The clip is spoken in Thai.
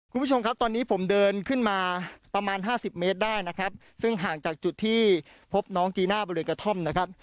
คุณผู้ชมครับตอนนี้ผมเดินขึ้นมาประมาณห้าสิบเมตรได้นะครับซึ่งห่างจากจุดที่พบน้องจีน่าบริเวณกระท่อมนะครับ